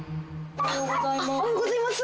おはようございます。